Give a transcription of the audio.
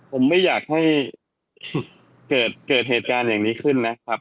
ผมไม่อยากให้เกิดเหตุการณ์อย่างนี้ขึ้นนะครับ